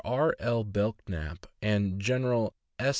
R. L. Belknap and Gen. S.